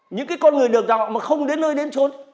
những cái con người được đào tạo mà không đến nơi đến trường